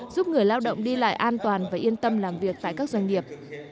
giúp người lao động đi lại an toàn và yên tâm làm việc tại các doanh nghiệp